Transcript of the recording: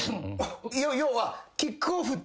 要は。